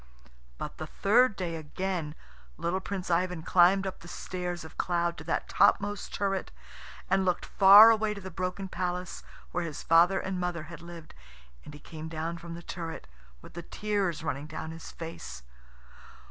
But the third day again little Prince Ivan climbed up the stairs of cloud to that topmost turret, and looked far away to the broken palace where his father and mother had lived. And he came down from the turret with the tears running down his face.